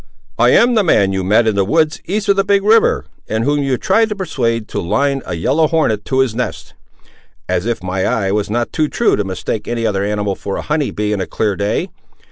"I am the man you met in the woods east of the big river, and whom you tried to persuade to line a yellow hornet to his nest: as if my eye was not too true to mistake any other animal for a honey bee, in a clear day!